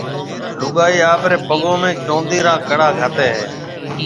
لوگائيَ آپريَ پگون ۾ چوندِي را ڪڙا گھاتيَ ھيََََ